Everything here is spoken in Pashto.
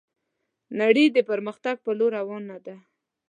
نړي د پرمختګ په لور روانه ده